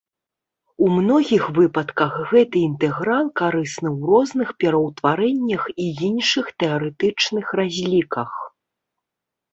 У многіх выпадках гэты інтэграл карысны ў розных пераўтварэннях і іншых тэарэтычных разліках.